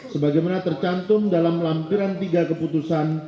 sebagaimana tercantum dalam lampiran tiga keputusan